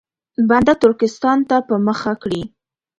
بنده ترکستان ته په مخه کړي.